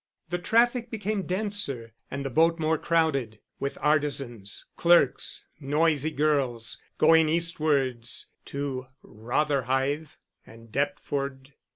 The traffic became denser and the boat more crowded with artisans, clerks, noisy girls, going eastwards to Rotherhithe and Deptford.